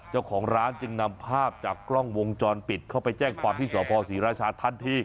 เจ้าของร้านจึงนำภาพจากกล้องวงจรปิดเข้าไปแจ้งความที่สพศรีราชาทันที